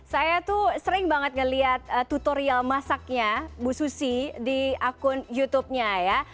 saya tuh sering banget ngeliat tutorial masaknya bu susi di akun youtubenya ya